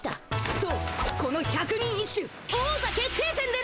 そうこの百人一首王座決定戦でな。